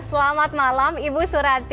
selamat malam ibu surati